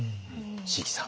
椎木さん